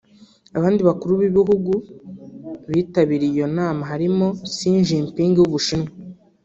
Abandi bakuru b’ibi bihugu bitabiriye iyo nama harimo Xi Jinping w’u Bushinwa